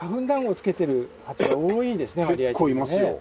結構いますよ。